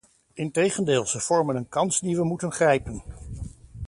Integendeel, ze vormen een kans die we moeten grijpen.